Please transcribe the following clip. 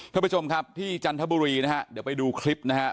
ท่านผู้ชมครับที่จันทบุรีนะฮะเดี๋ยวไปดูคลิปนะฮะ